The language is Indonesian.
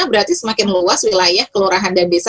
berarti semakin luas wilayah kelurahan dan desa